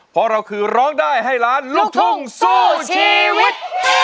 เพราะเราคือร้องได้ให้ล้านลูกทุ่งสู้ชีวิต